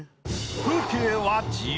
風景は自由。